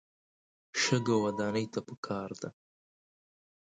شګه ودانۍ ته پکار ده.